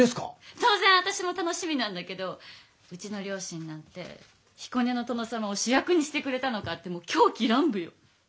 当然私も楽しみなんだけどうちの両親なんて「彦根の殿様を主役にしてくれたのか！」って狂喜乱舞よ。